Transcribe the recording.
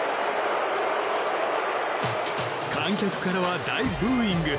観客からは大ブーイング。